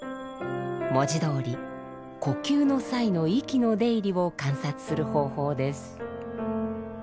文字どおり呼吸の際の息の出入りを観察する方法です。